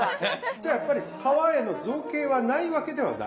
じゃあやっぱり皮への造詣はないわけではない？